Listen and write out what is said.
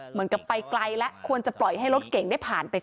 เหมือนกับไปไกลแล้วควรจะปล่อยให้รถเก่งได้ผ่านไป